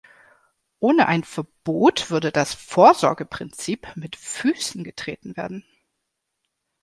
Ohne ein Verbot würde das Vorsorgeprinzip mit Füßen getreten werden.